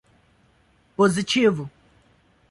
Positivo.